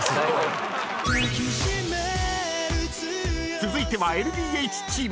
［続いてはＬＤＨチーム］